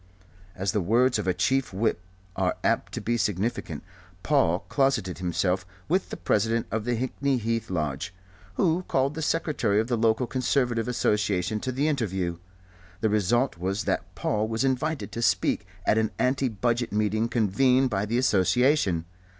As the words of a Chief Whip are apt to be significant, Paul closeted himself with the President of the Hickney Heath Lodge, who called the Secretary of the local Conservative Association to the interview. The result was that Paul was invited to speak at an anti Budget meeting convened by the Association.